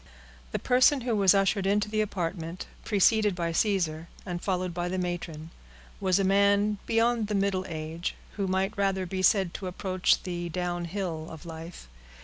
The person who was ushered into the apartment, preceded by Caesar, and followed by the matron, was a man beyond the middle age, or who might rather be said to approach the downhill of life.